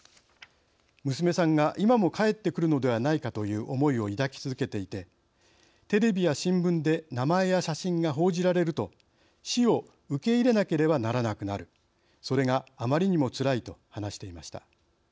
娘さんが今も帰ってくるのではないかという思いを抱き続けていて「テレビや新聞で名前や写真が報じられると死を受け入れなければならなくなるそれがあまりにもつらい」と話していました。